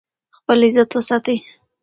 خپل عزت وساتئ.